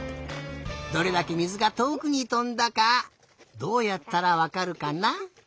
どれだけ水がとおくにとんだかどうやったらわかるかな？